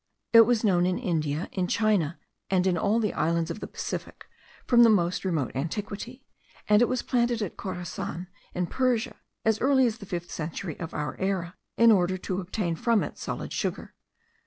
It was known in India, in China, and in all the islands of the Pacific, from the most remote antiquity; and it was planted at Khorassan, in Persia, as early as the fifth century of our era, in order to obtain from it solid sugar.